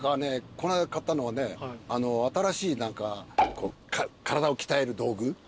この間買ったのはね新しい体を鍛える道具。